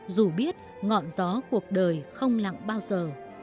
dù biết ngọn gió cuộc đời không lặng bao giờ